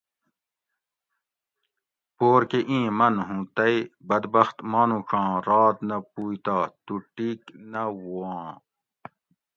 بور کہ ایں من ھوں تئ بدبخت مانوڄاں رات نہ پوئ تہ تو ٹیِک نہ وواں